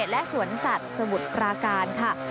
และสวนสัตว์สมุทรปราการค่ะ